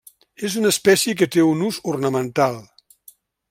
És una espècie que té un ús ornamental.